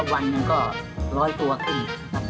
วันนึงก็๑๐๐ตัวกิน